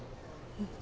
うん。